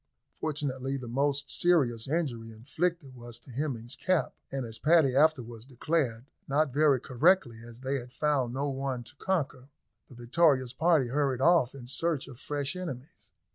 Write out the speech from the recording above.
Fortunately, the most serious injury inflicted was to Hemming's cap, and, as Paddy afterwards declared (not very correctly, as they had found no one to conquer), the victorious party hurried off in search of fresh enemies.